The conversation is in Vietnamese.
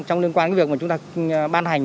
trong liên quan việc mà chúng ta ban hành